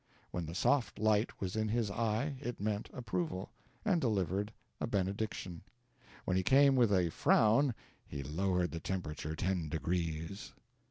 When the soft light was in his eye it meant approval, and delivered a benediction; when he came with a frown he lowered the temperature ten degrees.